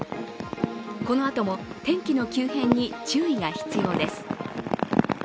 このあとも天気の急変に注意が必要です。